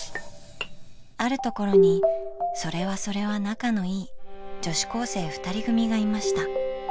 あるところにそれはそれは仲のいい女子高生２人組がいました。